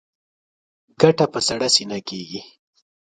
ګټه په سړه سینه کېږي.